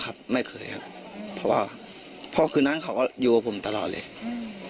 ครับไม่เคยครับเพราะว่าเพราะคืนนั้นเขาก็อยู่กับผมตลอดเลยอืม